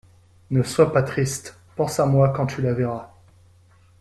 Ne sois pas triste, pense à moi quand tu la verras.